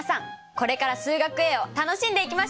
これから「数学Ａ」を楽しんでいきましょう！